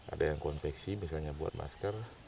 ada yang konveksi misalnya buat masker